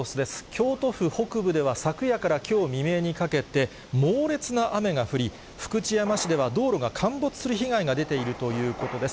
京都府北部では昨夜からきょう未明にかけて、猛烈な雨が降り、福知山市では道路が陥没する被害が出ているということです。